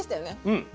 うん。